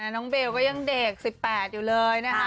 น้องเบลก็ยังเด็ก๑๘อยู่เลยนะคะ